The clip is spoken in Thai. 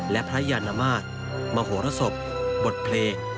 และพระยานมาตรมโหรสบบทเพลง